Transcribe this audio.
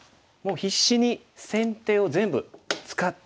必死に先手を使って。